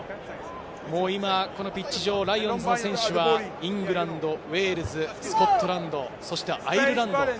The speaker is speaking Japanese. このピッチ上、ライオンズの選手はイングランド、ウェールズ、スコットランド、そして、アイルランド。